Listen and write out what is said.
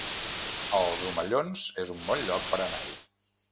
Els Omellons es un bon lloc per anar-hi